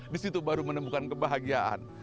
disitu baru menemukan kebahagiaan